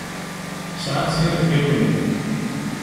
Sɛant tinebgawin.